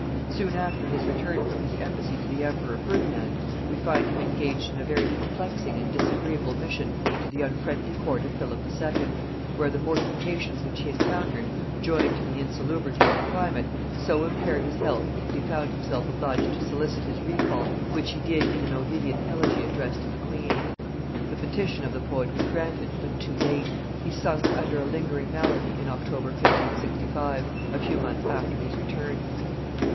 Soon after his return from his embassy to the emperor Ferdinand, we find him engaged in a very perplexing and disagreeable mission to the unfriendly court of Philip II., where the mortifications which he encountered, joined to the insalubrity of the climate, so impaired his health that he found himself obliged to solicit his recall, which he did in an Ovidian elegy addressed to the queen. The petition of the poet was granted, but too late; he sunk under a lingering malady in October 1565, a few months after his return.